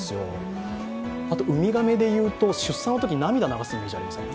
ウミガメで言うと出産のときに涙流すイメージありません？